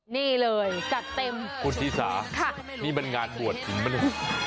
นี่เลยจัดเต็มคุณฮีซาค่ะนี่บรรงาดปวดหรือเปล่า